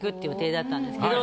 予定だったんですけど。